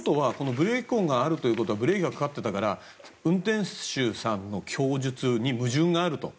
ブレーキ痕があるということはブレーキがかかっていたから運転手さんの供述に矛盾があると。